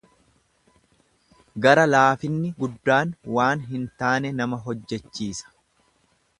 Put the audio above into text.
Gara laafinni guddaan waan hin taane nama hojjechiisa.